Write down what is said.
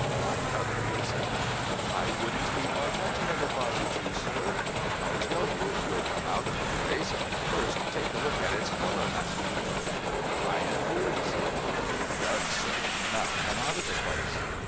' What other reason ?'' (I wouldn't keep on touchin' it, if I was you, sir.) I'll tell you if you'll come out of the place. First, take a look at its colour, Master George.' ' I am doing so.' ' Done, sir. Now, come out of the place.'